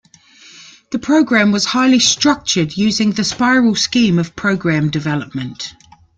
The program was highly structured using the spiral scheme of program development.